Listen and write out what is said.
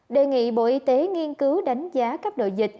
đề nghị bộ y tế nghiên cứu đánh giá cấp độ dịch